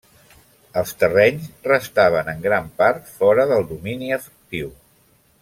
Els terrenys restaven en gran part fora del domini efectiu.